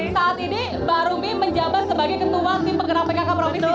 saat ini mbak arumi menjabat sebagai ketua tim penggerak pkk provinsi jawa timur